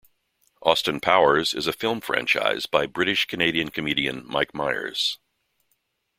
"Austin Powers" is a film franchise by British-Canadian comedian Mike Myers.